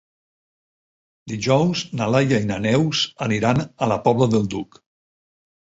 Dijous na Laia i na Neus aniran a la Pobla del Duc.